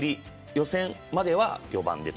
予選までは４番で。